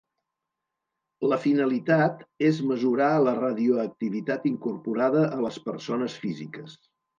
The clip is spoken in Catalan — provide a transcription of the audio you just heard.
La finalitat és mesurar la radioactivitat incorporada a les persones físiques.